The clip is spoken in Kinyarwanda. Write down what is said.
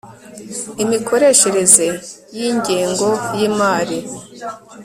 imikoreshereze y ingengo y imari